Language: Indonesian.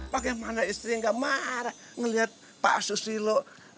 bagaimana istri nggak marah ngelihat pak susilo